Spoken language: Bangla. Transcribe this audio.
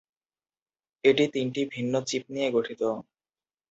এটি তিনটি ভিন্ন চিপ নিয়ে গঠিত।